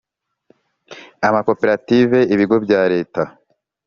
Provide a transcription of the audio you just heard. amakoperative ibigo bya Leta